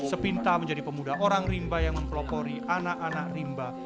sepinta menjadi pemuda orang rimba yang mempelopori anak anak rimba